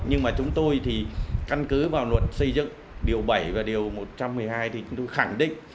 nhưng mà chúng tôi thì căn cứ vào luật xây dựng điều bảy và điều một trăm một mươi hai thì chúng tôi khẳng định